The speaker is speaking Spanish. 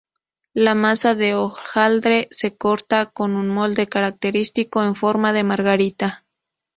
La masa de hojaldre se corta con un molde característico en forma de margarita.